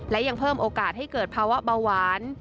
และยังเพิ่มโอกาสให้เกิดภาวะเบาหวาน